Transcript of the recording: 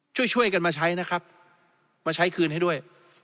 ช่วยกันมาใช้นะครับมาใช้คืนให้ด้วย